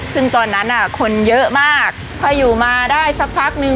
ซึ่งตอนนั้นคนเยอะมากพออยู่มาได้สักพักนึง